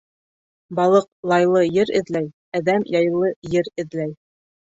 Балыҡ лайлы ер эҙләй, әҙәм яйлы ер эҙләй.